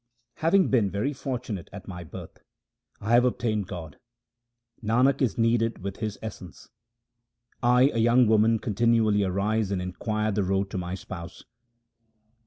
Having been very fortunate at my birth I have obtained God ; Nanak is kneaded with His essence. I a young woman continually arise and inquire the road to my Spouse.